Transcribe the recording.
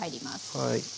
はい。